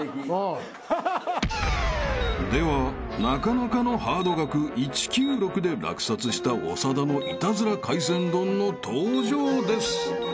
［ではなかなかのハード額１９６で落札した長田のイタズラ海鮮丼の登場です］